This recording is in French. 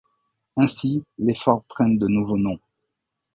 Ainsi, les forts prennent de nouveaux noms.